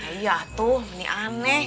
iya tuh ini aneh